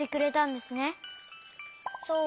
そう。